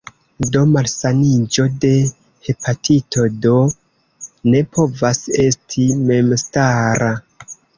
Do, malsaniĝo de hepatito D ne povas esti memstara.